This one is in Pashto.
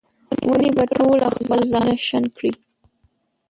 ونې به ټوله خپل ځانونه شنډ کړي